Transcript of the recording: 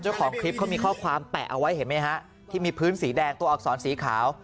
เจ้าของคลิปเขามีข้อความแปะเอาไว้เห็นไหมฮะที่มีพื้นสีแดงตัวอักษรสีขาว